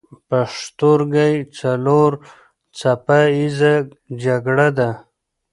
پوښتورګی څلور څپه ایزه ګړه ده.